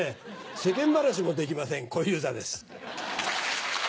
世間話もできません小遊三です。